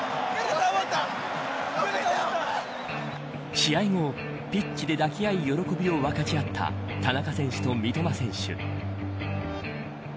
試合後ピッチで抱き合い喜びを分かち合った田中選手と三笘選手。